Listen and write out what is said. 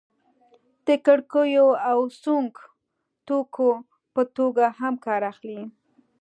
د کړکیو او سونګ توکو په توګه هم کار اخلي.